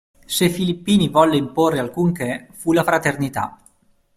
Se Filippini volle imporre alcunché fu la fraternità.